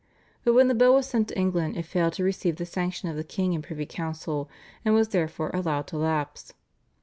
But when the bill was sent to England it failed to receive the sanction of the king and privy council, and was therefore allowed to lapse.